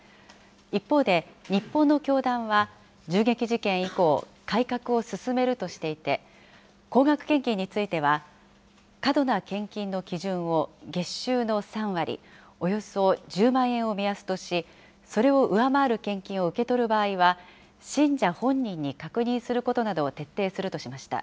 一方で、日本の教団は、銃撃事件以降、改革を進めるとしていて、高額献金については、過度な献金の基準を月収の３割、およそ１０万円を目安とし、それを上回る献金を受け取る場合は信者本人に確認することなどを徹底するとしました。